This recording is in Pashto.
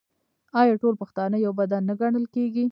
آیا ټول پښتانه یو بدن نه ګڼل کیږي؟